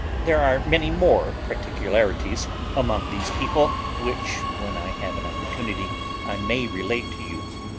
There are many more particularities among these people which, when I have an opportunity, I may relate to you.